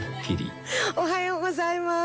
あれ？おはようございます」